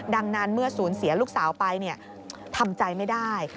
ดังนั้นเมื่อสูญเสียลูกสาวไปทำใจไม่ได้